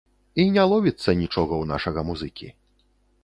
І не ловіцца нічога ў нашага музыкі.